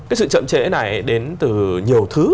cái sự chậm trễ này đến từ nhiều thứ